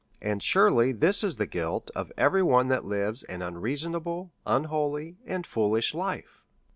And surely this is the guilt of every one that lives an unreasonable, un holy, and foolish life.